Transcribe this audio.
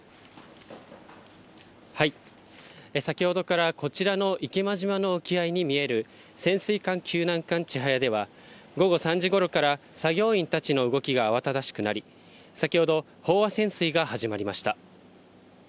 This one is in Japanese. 先ほどから、こちらの池間島の沖合に見える、潜水艦救難艦ちはやでは、午後３時ごろから作業員たちの動きが慌ただしくなり、先ほど、飽和潜水が始まりました。